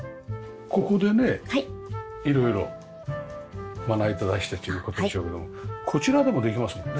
ここでね色々まな板出してっていう事でしょうけどもこちらでもできますもんね。